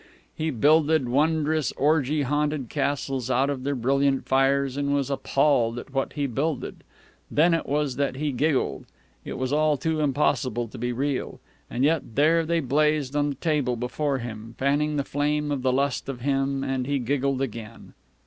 He builded wondrous, orgy haunted castles out of their brilliant fires, and was appalled at what he builded. Then it was that he giggled. It was all too impossible to be real. And yet there they blazed on the table before him, fanning the flame of the lust of him, and he giggled again.